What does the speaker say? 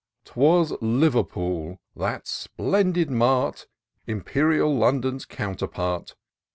'Twas Liverpool, that splendid mart. Imperial Lotidon's counterpart.